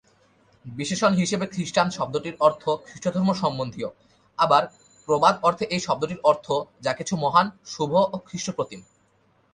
বিশেষণ হিসেবে "খ্রিষ্টান" শব্দটির অর্থ "খ্রিষ্টধর্ম সম্বন্ধীয়"; আবার প্রবাদ অর্থে এই শব্দটির অর্থ "যা কিছু মহান, শুভ ও খ্রিষ্ট-প্রতিম"।